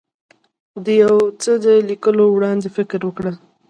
د یو څه د لیکلو وړاندې فکر وکړه.